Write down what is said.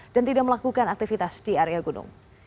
dan tidak melakukan aktivitas di area gunung